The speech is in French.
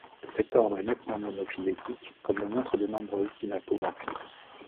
Cet ordre est nettement monophylétique comme le montrent de nombreuses synapomorphies.